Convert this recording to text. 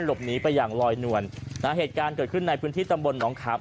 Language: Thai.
หลบหนีไปอย่างลอยนวลนะฮะเหตุการณ์เกิดขึ้นในพื้นที่ตำบลหนองครับ